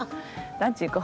ランチ行こ。